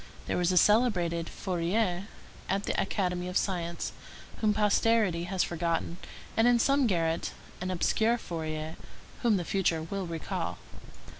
There was a celebrated Fourier at the Academy of Science, whom posterity has forgotten; and in some garret an obscure Fourier, whom the future will recall.